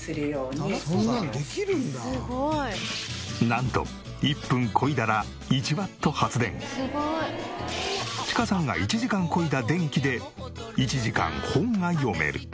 なんとチカさんが１時間こいだ電気で１時間本が読める。